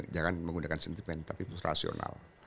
jangan menggunakan sentimen tapi rasional